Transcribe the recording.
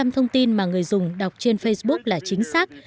chín mươi chín thông tin mà người dùng đọc trên facebook là chính xác